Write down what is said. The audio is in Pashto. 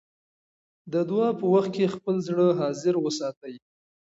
د دعا په وخت کې خپل زړه حاضر وساتئ.